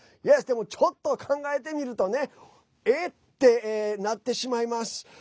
でも、ちょっと考えてみるとね「えっ！」ってなってしまいます。